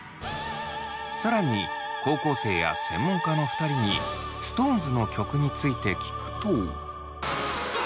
更に高校生や専門家の２人にＳｉｘＴＯＮＥＳの曲について聞くと。